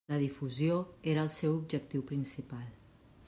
La difusió era el seu objectiu principal.